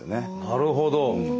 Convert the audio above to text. なるほど。